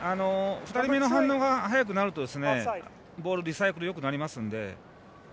２人目の反応が早くなるとボールリサイクルがよくなりますので。